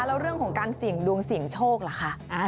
แล้วเรื่องของการเสี่ยงดวงเสี่ยงโชคล่ะคะ